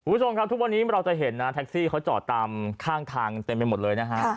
คุณผู้ชมครับทุกวันนี้เราจะเห็นนะแท็กซี่เขาจอดตามข้างทางเต็มไปหมดเลยนะฮะ